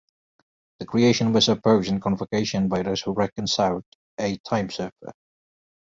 The creation was opposed in convocation by those who reckoned South a time-server.